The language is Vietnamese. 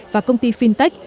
và công ty fintech